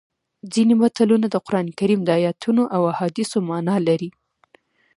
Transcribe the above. ځینې متلونه د قرانکریم د ایتونو او احادیثو مانا لري